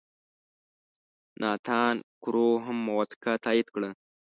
ناتان کرو هم موافقه تایید کړه.